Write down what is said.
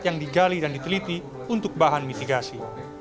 yang digali dan diteliti untuk bahan mitigasi